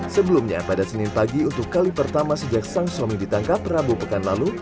sebelumnya pada senin pagi untuk kali pertama sejak sang suami ditangkap rabu pekan lalu